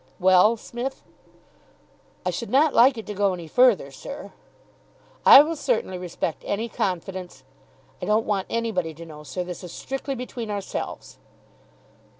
"Well, Smith?" "I should not like it to go any further, sir." "I will certainly respect any confidence " "I don't want anybody to know, sir. This is strictly between ourselves."